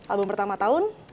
album pertama tahun